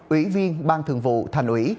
ủy viên ban thường vụ thành ủy